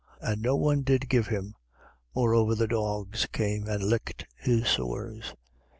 And no one did give him: moreover the dogs came and licked his sores.